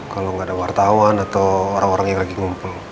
kalau nggak ada wartawan atau orang orang yang lagi ngumpul